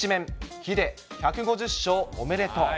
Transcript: ヒデ、１５０勝おめでとう。